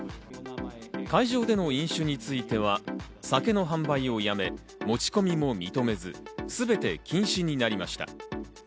会場での飲酒については酒の販売をやめ、落ち込みも認めず全て禁止になりました。